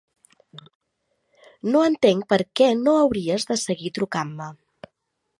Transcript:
No entenc perquè no hauries de seguir trucant-me.